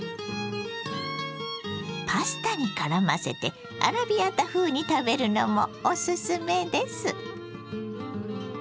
パスタにからませてアラビアータ風に食べるのもおすすめです。